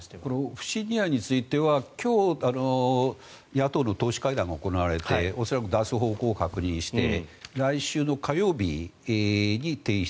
不信任案については今日、野党の党首会談が行われて恐らく出す方向を確認して来週の火曜日に提出。